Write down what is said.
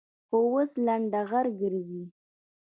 خو اوس لنډغر گرځي.